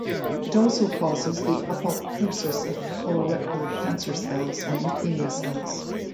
It also causes the apoptosis of colorectal cancer cells and leukemia cells.